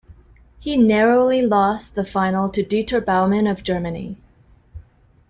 He narrowly lost the final to Dieter Baumann of Germany.